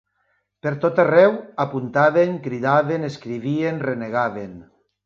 Per tot-arreu apuntaven, cridaven, escrivien, renegaven